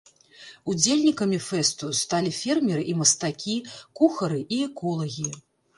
Удзельнікамі фэсту сталі фермеры і мастакі, кухары і эколагі.